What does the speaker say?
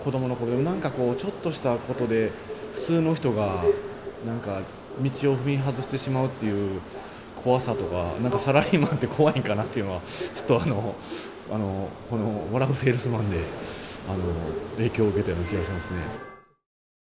何かこうちょっとしたことで普通の人が何か道を踏み外してしまうっていう怖さとか何かサラリーマンって怖いんかなっていうのはちょっとこの「笑ゥせぇるすまん」で影響を受けてる気がしますね。